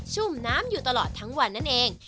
ชุ่มน้ำอยู่ตลอดทั้งวันนั่นเอง